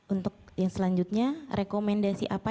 untuk yang selanjutnya rekomendasi apa